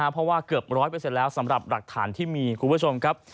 เพราะว่าเกือบร้อยไปเสร็จแล้วสำหรับหลักฐานที่มีก็คุณผู้ชมครับ